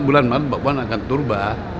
bulan maret bapak puan akan turba